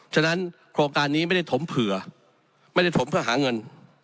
ฉะนั้นโครงการนี้ไม่ได้ถมเผื่อไม่ได้ถมเพื่อหาเงิน